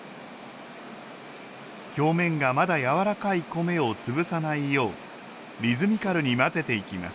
表面がまだやわらかい米を潰さないようリズミカルに混ぜていきます